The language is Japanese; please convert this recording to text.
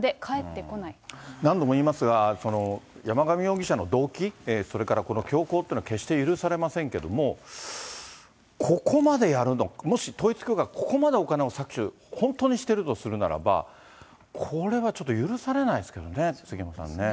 何度も言いますが、山上容疑者の動機、それからこの凶行というのは決して許されませんけれども、ここまでやる、もし統一教会ここまでお金を搾取、本当にしてるとするならば、これはちょっと許されないですけどね、杉山さんね。